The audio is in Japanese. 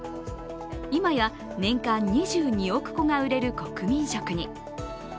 今や年間２２億個が売れる国民食に。